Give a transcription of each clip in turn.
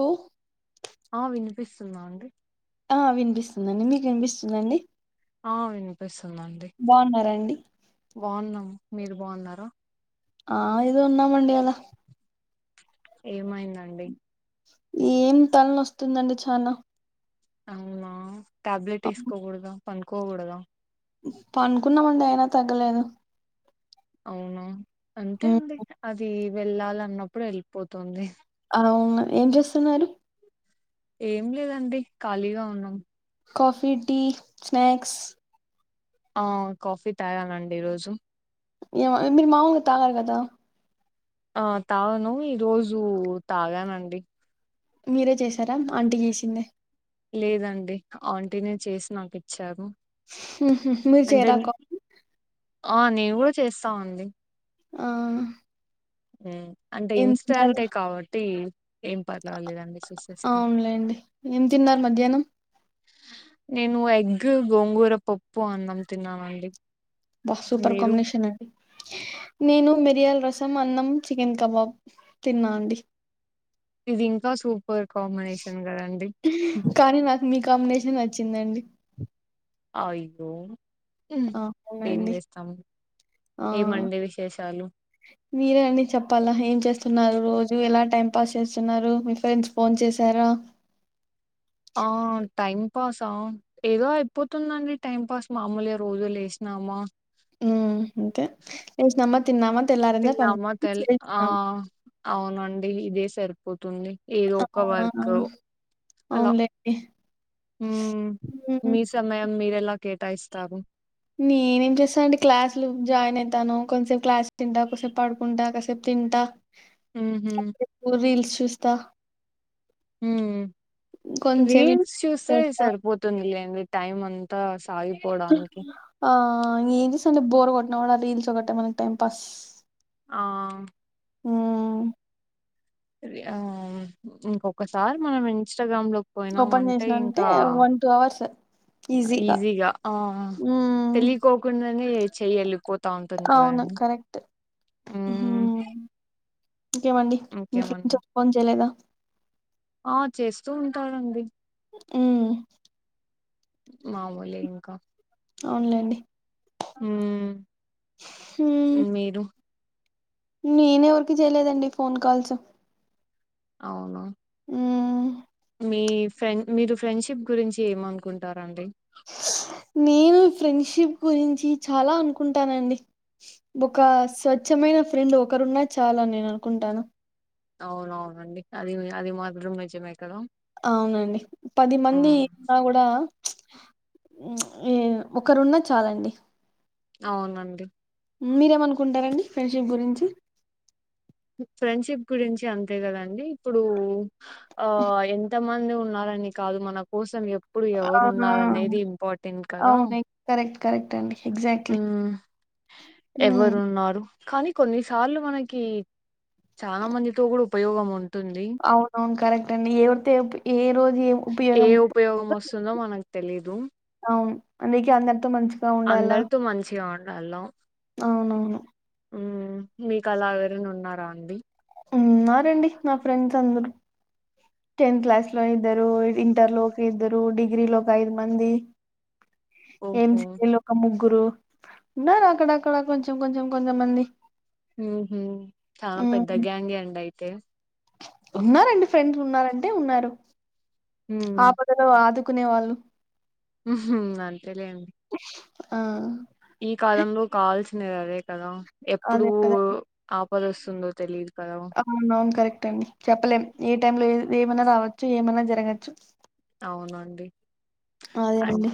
ఉ ఆ వినిపిస్సుందా అండి ఆ విన్పిస్సుందండి మీకు ఇన్పిస్సుందా అండి ఆ వినిపిస్సుందండి బా ఉన్నారా అండి బా ఉన్నం మీరు బా ఉన్నారా ఆ ఏదో ఉన్నాం అండి అలా ఏమైందండి ఏం తల నొస్తుందండి చానా అవునా టాబ్లెట్ ఏసుకోగూడదా పంకోగూడదా పంకున్నామండి అయినా తగ్గలేదు అవునా అంతే ఉమ్, అండి అదీ వెళ్ళాలన్నప్పుడే ఎళ్పోతుంది ఆవును ఏం జేస్సున్నారు ఏం లేదండి ఖాళీగ ఉన్నం కాఫీ టీ స్నాక్స్ ఆ కాఫీ తాగానండి ఈరోజు ఏమో మీరు మామూలుగా తాగరు కదా ఆ తాగను ఈరోజు తాగానండి మీరే చేసారా ఆంటి చేసిందే లేదండి ఆంటినే చేసి నాకు ఇచ్చారు ఉహు, మీరు అంటే చేయరా నే కా ఆ నేను కూడా చేస్తా అండి ఆ ఉమ్ అంటే ఏం తిన్నారు ఇన్స్టాంటే కాబట్టి ఏం పర్వాలేదండి చేసేస్తా. అవునులేండి ఏం తిన్నారు మధ్యాహ్నం నేను ఎగ్గ గోంగూర పప్పు అన్నం తిన్నానండి బా సూపర్ మీరు? కాంబినేషన నేను మిరియాల రస్సమ్ అన్నం చికెన్ కబాబ్ తిన్నా అండి ఇది ఇంకా సూపర్ కాంబినేషన్ కదండి కానీ నాకు మీ కాంబినేషన్ నచ్చిందండి ఐ డోమ్ ఉ ఆ! ఏం అవునండి. జేస్తాము ఆ! ఏమండి విశేషాలు మీరే అండి చెప్పాలా ఏం చేస్తున్నారు రోజు ఎలా టైం పాస్ చేస్తున్నారు మీ ఫ్రెండ్స్ ఫోన్ చేసారా ఆ టైమ్ పాస్ ఆ ఏదో అయిపోతుందండి టైం పాస్ మామూలుగా రోజు లేశినామా ఉ అంతే లేసినామా తిన్నామా తెల్లారందా తిన్నామా పండుకుని తెల్ ఆ! లేశ్నాం అవునండి ఇదే సరిపోతుంది ఏదో ఒక ఆ! వర్క అలా అవునులేండి. హమ్ హ్మ్. మీ సమయం మీరెలా కేటాయిస్తారు నేనేం చేస్తా అండి క్లాసులు జాయిన అయితాను కొంతసేపు క్లాస్ తింటా కొసేపు పడుకుంటా కాసేపు తింటా ఉహు ఓ రీల్స్ చూస్తా ఉమ్ కొంతసేపు రీల్స్ చూస్తే చేస్తా. సరిపోత్ తుంది అండి టైం అంతా సాగిపోవడానికి ఆ ఏం చేస్తామండి బోర్ కొట్టిన కూడా రీల్స్ ఒకటే మనకు టైం పాస్ ఆ ఉమ్ రీ ఆమ్ ఇంకొక్కసారి మనం ఇన్స్టాగ్రామ్ లో పోయినము ఓపెన్ అంటే చేసినంటే ఇంకా వన్ టూ అవర్స్ ఈజీగా ఈజీగ ఆ హ్మ్ తెలికోకుండనే చెయ్యలు పోతా ఉంటుంది అవును కదండి కరెక్ట్. ఉమ్ హ్మ్. ఇంకేమండి మీ ఫ్రెండ్స్ ఫోన్ చేయలేదా ఆ చేస్తూ ఉంటానండి ఉమ్ మామూలే ఇంకా అవునులే అండి ఉమ్ మీరు నేనెవరకి చేయలేదండి ఫోన్ కాల్స్ అవును ఉమ్ మీ ఫ్రెండ్ మీరు ఫ్రెండ్షిప్ గురించి ఏమనుకుంటారండి నేను ఫ్రెండ్షిప్ గురించి చాలా అనుకుంటానండి బొక స్వచ్ఛమైన ఫ్రెండ్ ఒకరున్నా చాలని నేను అనుకుంటాను అవునవునండి అది అది మాత్రం నిజమే కదా అవునండి పది మంది హ్మ్. ఉన్నా కూడా ఎ ఒకరున్న చాలండి అవునండి మీరేమనుకుంటారండి ఫ్రెండ్షిప్ గురించి ఫ్రెండ్షిప్ గురించి అంతే కదండి ఇప్పుడు ఆ ఎంత మంది ఉన్నారని కాదు మన కోసం ఎప్పుడు ఆ! ఎవరున్నరనేది ఇంపార్టెంట్ కదా అవును కరెక్ట్ కరెక్ట్ అండి ఎగ్జాక్ట్లీ ఉమ్మ్ హ్మ్. ఎవరున్నారు కానీ కొన్నిసార్లు మనకి చానా మందితో కూడా ఉపయోగం ఉంటుంది అవునవును కరెక్టే అండి ఎవరితో ఏప్ ఏ రోజు ఏ ఏ ఉపయోగం వస్తుందో మనకు తెలీదు అవును అందుకే అందరితో మంచిగా ఉండాల తో మంచిగా ఉండాల అవునవును ఉమ్మ్ మీకు అలా ఎవరైనా ఉన్నారాండి ఉన్నారండి నా ఫ్రెండ్స్ అందరూ టెన్త్ క్లాస్‌లో ఇద్దరు ఇంటర్లో ఒక ఇద్దరు డిగ్రిలో ఒక ఐదు మంది ఓహో ఎంసీఏలో ఒక ముగ్గురు ఉన్నారు అక్కడక్కడ కొంచెం కొంచెం కొంచెంమంది మ్మ్ఉహ్మ్ చానా పెద్ద గ్యాంగే అండి అయితే ఉన్నారండి ఫ్రెండ్స్ ఉన్నారంటే ఉన్నారు ఉమ్ ఆపదలో ఆదుకునే వాళ్ళు మ్మ్ఉహ్మ్ అంతేలేండి ఆ ఈ కాలంలో కావాల్సినది అదే కదా ఎప్పుడూ అదే కదండీ. ఆపద వస్తుందో తెలిదు కదా అవునవును కరెక్టే అండి చెప్పలేం ఏ టైమ్‌లో ఏ ఏమన్న రావచ్చు ఏమన్నా జరగచ్చు అవునండి అదే అం అండి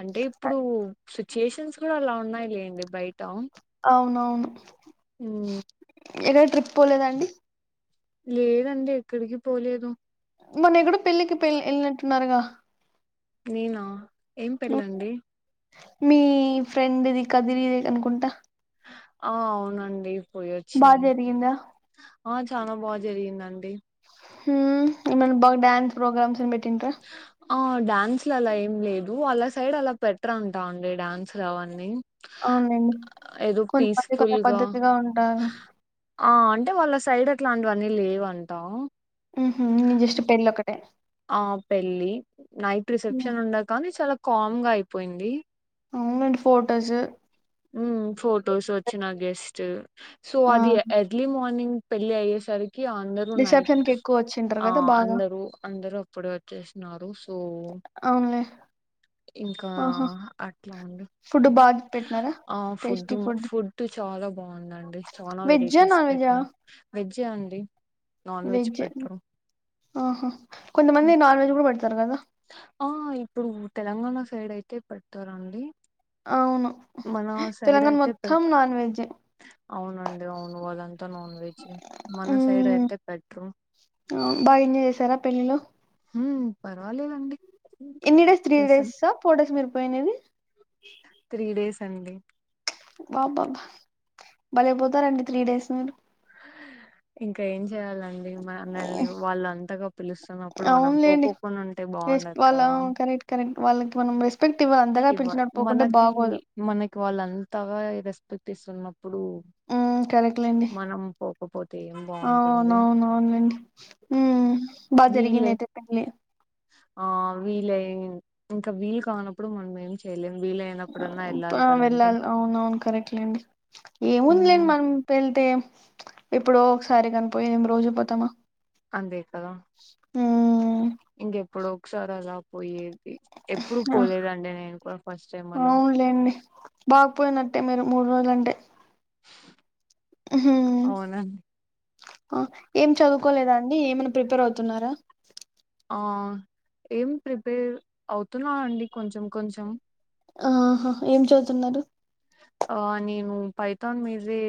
అంటే ఇప్పుడు సిచ్యుయేషన్స్ కూడా అలా ఉన్నాయి లేండి బయట అవునవును ఉమ్మ్ ఏదో ట్రిప్ పోలేదాండి లేదండి ఎక్కడికి పోలేదు మొన్న ఎక్కడో పెళ్ళికి పెళ్లి ఎళ్ళినట్టున్నారుగా నేనా ఏం పెళ్ళండి మీ ఫ్రెండ్‌ది కదిరిది అనుకుంటా ఆ అవునండి బాగా పోయేచ్చినం జరిగిందా ఆ చానా బాగా జరిగిందండి ఉమ్మ్ ఏమన్నా బాగ్ డ్యాన్స్ ప్రోగ్రామ్స్ ఏం పెట్టిండ్రా ఆ డ్యాన్స్‌లు అలా ఏం లేదు వాళ్ళ సైడ్ అలా పెట్రంటా అండి డాన్స్‌లు అవన్నీ అవునులేండి ఏదో కొంతమంది కొంత పీస్ఫుల్ గా పద్ధతిగా ఉంటారు ఆ అంటే వాళ్ళ సైడ్ అట్లాంటివన్నీ లేవంటా ఉహుమ్ జస్ట్ పెళ్ళి ఒకటే ఆ పెళ్ళి నైట్ రిసెప్షన్ ఉండ కానీ చాలా కామ్ గా అయిపోయింది అవునండి ఫోటోసు ఉమ్ ఫొటోస్ వచ్చిన గెస్ట్ సో ఆ అది ఎర్లీ మార్నింగ్ పెళ్ళయ్యే సారి కి అందరూ రిసెప్షన్ నైట్ కి ఎక్కువ వచ్చింటారు ఆ కదా బాగా అందరూ అందరూ అప్పుడే వచ్చేసిన్నారు సో అవునులే ఇంకా ఆహా అట్లా ఉంది ఫుడ్ బాగా పెట్టినారా ఆ ఫుడ్ ఫుడ్ చాలా బాగుందండి చాలా వెజ్జా వెరైటీస్ నాన్ వెజ్జా పెట్టిన వెజ్ ఎ అండి నాన్ వెజ్ పెట్టరు ఆహా కొంతమంది ఉమ్. నాన్ వెజ్ కూడా పెడతారు కదా ఆ ఇప్పుడు తెలంగాణ సైడ్ అయితే పెట్టరండి అవును తెలంగాణ అయితే పె మొత్తం నాన్ వెజ్జ్ ఏ అవునండి అవును వాళ్ళంతా నాన్ వెజ్ మన సైడ్ అయితే పెట్రూ ఆ బాగా ఎంజాజ్ చేశారా పెళ్ళిలో ఉమ్ పర్వాలేదండి ఎనీ డేస్ త్రీ చేసాం డేస్ ఆ ఫోర్ డేస్ ఆ మీరుపోయినిది త్రీ డేస్ అండి బాబాబా బలేపోతారండి త్రీ డేస్ మీరు ఇంకా ఏం చెయాలం డి మనల్ని వాళ్ళు అంతగా పిలుస్తున్నప్పుడు మనం అవునులేండి పోకోకుండా ఉంటే రెస్ బాగుండదు వాళ్ళ కదా కరెక్ట్ కరెక్ట్ వాళ్ళకి మనం రెస్పెక్ట్ ఇవ్వ అంతగా ఇవ్వాలి పిలిచినట్డుపోకుంటే మనకి బాగోదు మనకి వాళ్ళ అంతాగా రెస్పెక్ట్ ఇస్తున్నప్పుడు ఉమ్ కరెక్లేండి మనం పోకపోతే ఏం అ అవున బాగుంటుంది అవున అవునండి ఉమ్ బాగా జరిగింది వీళ్ళే అయితే పెళ్లి ఆ వీలయి ఇంకా వీలు కానప్పుడు మనం ఏం చెయలేం వీలై న్నప్పుడన్న వెళ్ళాలి ఆ కదండి వెళ్ళాలి అవునవును కరెక్ట్లేండి ఏముందిలేండి ఉమ్ మనం వెళ్తే ఎప్పుడో ఒకసారి కనిపోయిందేమి రోజు పోతామా అంతే కదా ఆమ్ ఇంకెప్పుడో ఒకసారి అలా పోయేది ఎప్పుడు పోలేదండి నేను కూడా ఫస్ట్ టైమ్ అలా లేండి బాగుపోయినట్టే మీరు మూడు రోజులు అంటే మ్మ్ అవునా అండి ఆ ఏం చదువుకోలేదా అండి ఏమైనా ప్రిపేర్ అవుతున్నారా ఆ ఏం ప్రిపేర్ అవుతున్నా అండి కొంచెం కొంచెం ఆహా ఏం చదువుతున్నారు ఆ నేను పైథాన్ మీదే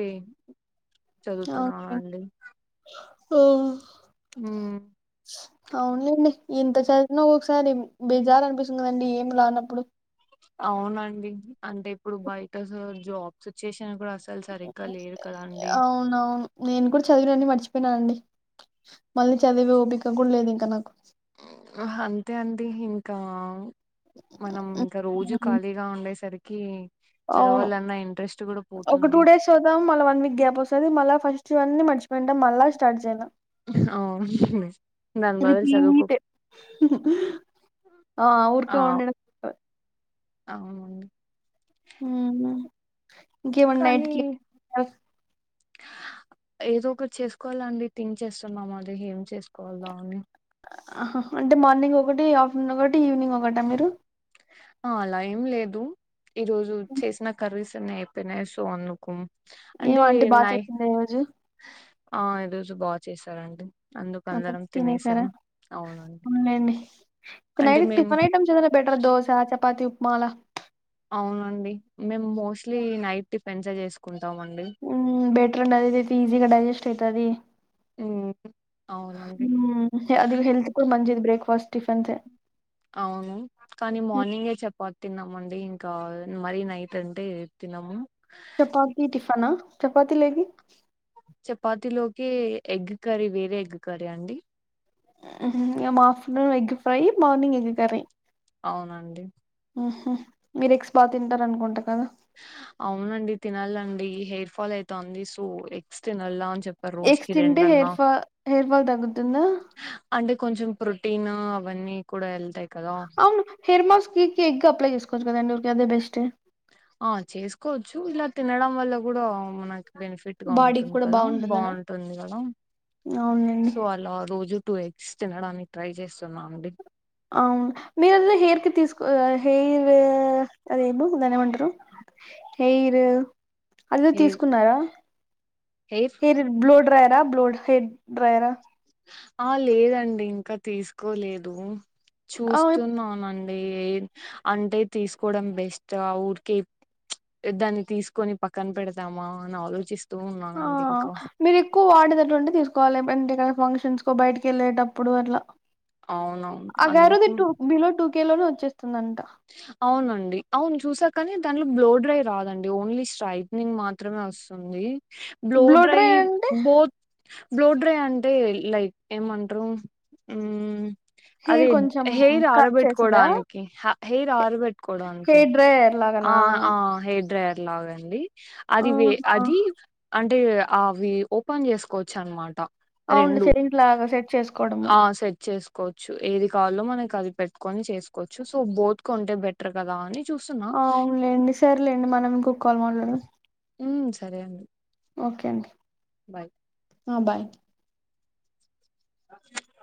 ఆ చదువుతున్నాను మి అండి ఇక సోలా ఉమ్ అవునులేండి ఇంత చదివిన ఒకసారి బెజార్ అనిపిస్తుందిదండి ఏం రానప్పుడు అవునండి అంటే ఇప్పుడు బయట అసలా జాబ్ సిచ్యుయేషన్ కూడా అ అసలు సరిగ్గా లేరు కదా అండి అవునవును నేను కూడా చదివినండి మర్చిపోయినాను అండి మళ్ళీ చదివే ఓపిక కూడా లేదు ఇంక నాకు అహ అంతే అండి ఇంకా మనం ఇంక రోజు ఉమ్. ఖాళీగా ఉండేసరికి చదవాలన్నా ఇంట్రెస్ట్ కూడా పోతుంది చూద్దాం మళ్ళ వన్ వీక్ గ్యాప్ వస్తుంది మళ్ళీ ఫస్ట్ వన్నీ మర్చిపోయింటం మళ్ళీ స్టార్ట్ చేయల్ల ఔ నన్ బదులు చదువుకు హుహు ఆ ఊరికే ఉండ అవును ఉ కానీ ఏదో ఒకటి చేసుకోల్లండి థింక్ చేస్తున్నాము అదే ఏం చేసుకోవల్లా అని అంటే మార్నింగ్ ఒకటి ఆఫ్టర్నూన్ ఒకటి ఈవినింగ్ ఒకట మీరు ఆ అలా ఏం లేదు ఈరోజు చేసిన కర్రీస్ అన్ని అయి పసో వన్నకుమ్ ఏం ఆంటీ బాగా అంటేన్నాయి చేసిందా ఈ రోజు ఆ ఈరోజు బాగ చేసారండి అందుకు అందరం తినేసాం అవునండి అండి అంటే నైట్ మేము టిఫన్ ఐటమ్స్ ఏద బెటర్ దోశ చపాతి ఉప్మాల అవునండి మేము మోస్ట్లీ నైట్ టిఫెన్సే చేసుకుంటాం అండి ఉ బెటర్ అంది అదిదతే ఈజీగా డైజెస్ట్ అయితాది ఉమ్ అవునండి హ అది హెల్త్ కూడా మంజిది బ్రేక్ఫాస్ట్ టిఫిన్సే అవును కానీ మార్నింగే చపాతి తిన్నామండి ఇంకా మరీ నైట్ అంటే తినము చపాతి టిఫన చపాతి లేకి చపాతిలోకి ఎగ్ కర్రీ వేరే ఎగ్ కర్రీ అండి ఉహు afternoon egg fry morning egg curry అవునండి హ మీరు ఎక్స్ బాగ తింటారు అనుకుంట కదా అవునండి తినాలండి హెయిర్ ఫాల్ అయితాంది సో ఎగ్స్ తినల్ల అని చెప్ ఎగ్స్ తింటే హెయిర్ ఫాల్ హెయిర్ ఫాల్ తగ్గుతుందా అంటే కొంచెం ప్రొటీను అవన్నీ కూడా వెళ్తాయి కదా అవును హెర్ మాస్ కి ఎగ్ అప్లై చేసుకోవచ్చు కదండి ఊరికే అదే బెస్ట్ ఆ చేసుకోవచ్చు ఇలా తినడం వల్ల కూడా మనకి బెనిఫిట్ గా బాడీకి ఉంటుంది కూడా కదా బాగుంటుందనా బాగుంటుంది కదా అవునండి సో అలా రోజు టూ ఎగ్స్ తినడానికి ట్రై చేస్తున్నాను అవును మీరుద హెయిర్ కి తీసుకో హెయిర్ అదేమో దాని ఏమంటరు హెయిరూ ఆది హెయిర్ తీసుకున్నారా హెయిర్ బ్లో డ్రయరా బ్లో హెయిర్ డ్రయరా ఆ లేదండి ఇంకా తీసుకోలేదు ఆ చూస్తున్నానం అంటే తీసుకోడం బెస్ట్ ఆ ఊరికె దాన్ని తీసుకొని పక్కన పెడదామా అని ఆలోచిస్ ఆ మీరు ఎక్కువ వాడేటట్లు ఉంటే తీసుకోవాలి అంటే ఫంక్షన్స్ కో బయటికి వెళ్ళేటప్పుడు అట్ల అవునవును ఆ గారది అందుకు టూ బిలో టూకె లోనే వచ్చేస్తుందంట అవునండి అవును చూసాకాని దాంట్లో బ్లోడ్రై రాదండి ఓన్లీ స్ట్రైట్నింగ్ మాత్రమే వస్ తుంది బ్లో డ్రై డ్రైవ్ అంటే బో బ్లో డ్రై అంటే లైక్ ఏమంటారు ఉ. హెయిర్ అదె కొంచెం హెర్ కట్ చేసిందా ఆరబెట్టుకోడానికి హెర్ ఆరబెట్ హెయిర్ డ్రైయర్ లాగాన. అ హెయిర్ డ్రయర్ లాగాండి అది వే ఆహా అది. అంటే అవి ఓపెన్ చేసుకోవచ్చు అనమాట. అ అవును రెండు సెట్టింగ్ లాగా సెట్ చేసుకోవడము ఆ సెట్ చేసు. చ్చు ఏది కాలో మనకి అది పెట్టుకొని చేసుకోవచ్చు సో బోత్ కొంటే బెటర్ కదా అని చూస్తున్నా. అవునులేండి సరేలేండి మనం ఇంకొక్కాల్ మాట్లాడదాం. ఉ సరే అండి. ఓకే అండి. బాయ్. అ బాయ్. అే